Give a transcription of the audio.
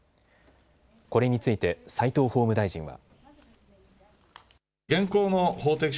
これについて齋藤法務大臣は。